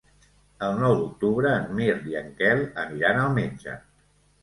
El nou d'octubre en Mirt i en Quel aniran al metge.